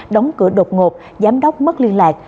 đóng cửa đột ngột giám đốc mất liên lạc